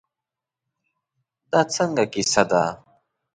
دا څنګه کیسه ده.